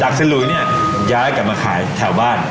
สลุยเนี่ยย้ายกลับมาขายแถวบ้าน